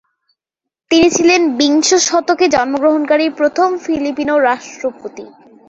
তিনি ছিলেন বিংশ শতকে জন্মগ্রহণকারী প্রথম ফিলিপিনো রাষ্ট্রপতি।